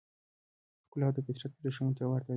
ګلاب د فطرت وریښمو ته ورته دی.